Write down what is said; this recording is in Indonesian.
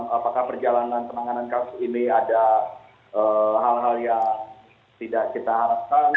apakah perjalanan penanganan kasus ini ada hal hal yang tidak kita harapkan